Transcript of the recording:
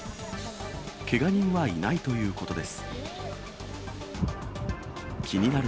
けが人はいないということです。